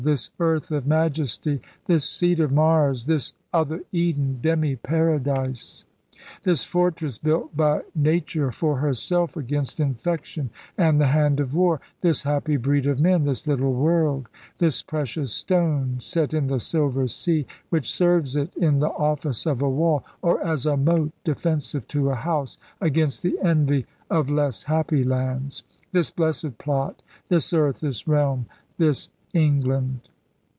This earth of majesty, this seat of Mars, This other Eden, demi paradise; This fortress built by nature for herself Against infection and the hand of war; This happy breed of men, this little world; This precious stone set in the silver sea. Which serves it in the office of a wall. Or as a moat defensive to a house. Against the envy of less happy lands: This blessed plot, this earth, this realm, this England.